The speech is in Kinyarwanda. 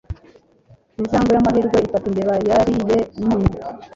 Injangwe y'amahirwe ifata imbeba yariye umunyu